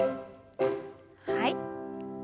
はい。